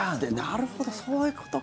なるほど、そういうことか。